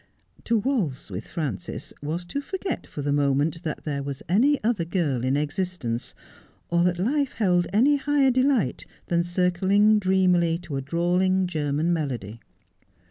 To waltz with Frances was to forget for the moment that there was any other girl in existence, or that life held any higher delight than circling dreamily to a drawling German melody.